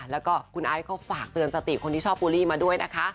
แล้วก็คุณไอซ์ก็ฝากเตือนสติคนที่ชอบบูลลี่มาด้วยนะคะ